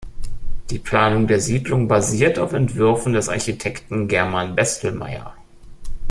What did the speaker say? Die Planung der Siedlung basiert auf Entwürfen des Architekten German Bestelmeyer.